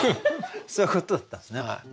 そういうことだったんですね。